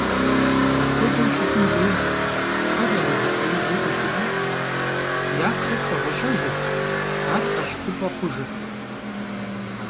Апхуэдэу щыхъум деж, кхъэр ямыгъэсеижу ӀукӀмэ, я кхъэр хэгъуэщэжырт, ар Ӏэщ хъупӀэ хъужырт.